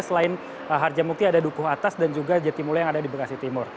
selain harjamukti ada dukuh atas dan juga jatimula yang ada di bekasi timur